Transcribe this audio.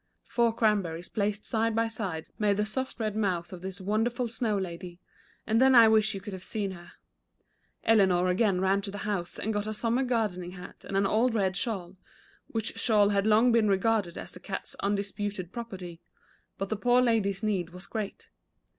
Four cranberries placed side by side made the soft red mouth of this wonderful snow lady, and then I wish you could have seen her. Eleanor again ran to the house, and got a summer gardening hat, and an old red shawl, which shawl had long been regarded as the cat's undisputed property — but the poor lady's need was great.